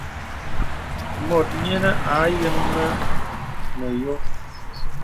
Mùt yīnə à yəŋ mə məyō.